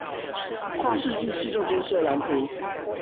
跨世紀市政建設藍圖